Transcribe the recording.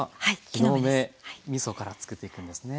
木の芽みそから作っていくんですね。